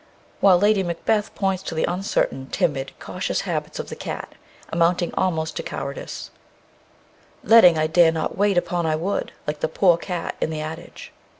While Lady Macbeth points to the uncertain, timid, cautious habits of the cat, amounting almost to cowardice: Letting I dare not wait upon I would, Like the poor cat i' the adage.